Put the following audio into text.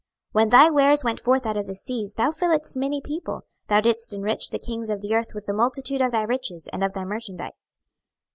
26:027:033 When thy wares went forth out of the seas, thou filledst many people; thou didst enrich the kings of the earth with the multitude of thy riches and of thy merchandise.